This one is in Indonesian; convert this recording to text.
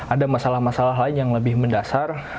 ada masalah masalah lain yang lebih mendasar